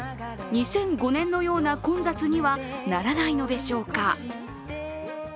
２００５年のような混雑にはならないのでしょうか。